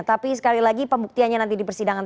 tapi sekali lagi pembuktiannya nanti di persidangan